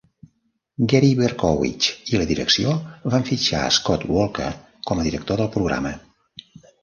Gary Berkowitz i la direcció van fitxar Scott Walker com a director del programa.